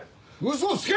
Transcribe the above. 嘘つけ